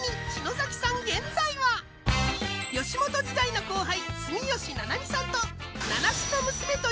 吉本時代の後輩